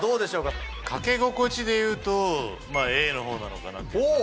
かけ心地でいうとＡのほうなのかなっていうか。